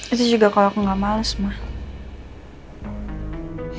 itu juga kalau aku tidak malas mak